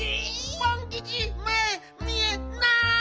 パンキチ目見えない！